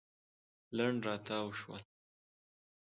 لنډ راتاو شول.